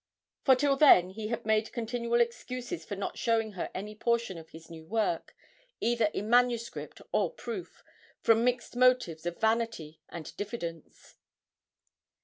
For till then he had made continual excuses for not showing her any portion of his new work, either in manuscript or proof, from mixed motives of vanity and diffidence.